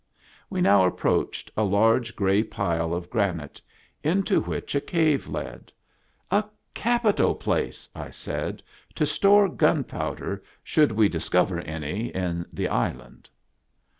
We now approached a large gray pile of granite, into which a cave led. " A capital place," I said, " to store gunpowder, should we discover any in the island."